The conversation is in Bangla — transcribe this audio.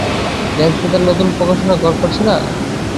ভ্যান্স কি তার নতুন প্রকাশনা ঘর খুলছে না?